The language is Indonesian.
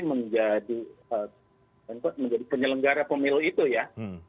menjadi penyelenggara pemilu itu ya